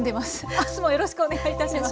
明日もよろしくお願いいたします。